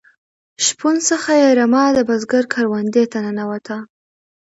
شپون څخه یې رمه د بزگر کروندې ته ننوته.